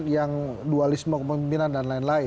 yang dualisme kepemimpinan dan lain lain